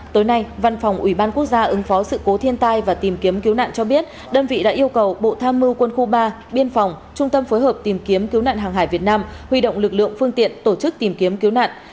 tối nay văn phòng ủy ban quốc gia ứng phó sự cố thiên tai và tìm kiếm cứu nạn cho biết đơn vị đã yêu cầu bộ tham mưu quân khu ba biên phòng trung tâm phối hợp tìm kiếm cứu nạn hàng hải việt nam huy động lực lượng phương tiện tổ chức tìm kiếm cứu nạn